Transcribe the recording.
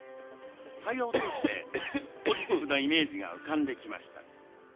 対話を通してポジティブなイメージが浮かんできました。